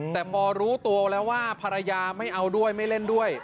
แต่พอรู้ตัวแล้วว่าภรรยาไม่เอาด้วยไม่เล่นด้วย